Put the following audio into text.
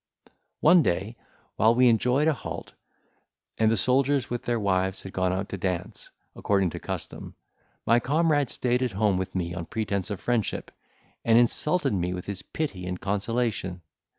One day, while we enjoyed a halt, and the soldiers with their wives had gone out to dance, according to custom, my comrade stayed at home with me on pretence of friendship, and insulted me with his pity and consolation!